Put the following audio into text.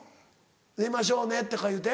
寝ましょうねとかいうて？